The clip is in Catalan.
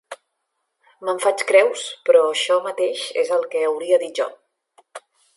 Me'n faig creus, però això mateix és el que hauria dit jo.